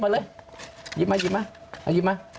หยิบมาเอาหยิบมา